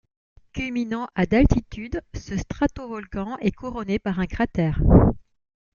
Culminant à d'altitude, ce stratovolcan est couronné par un cratère.